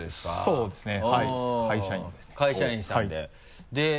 そうですね。